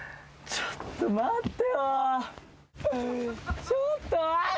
ちょっと待ってよ！